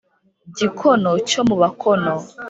gikono cyo mu bakono